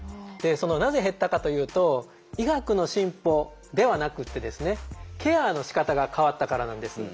なぜ減ったかというと医学の進歩ではなくてですねケアのしかたが変わったからなんです。